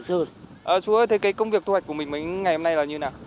thưa chú ơi thì công việc thu hoạch của mình mấy ngày hôm nay là như thế nào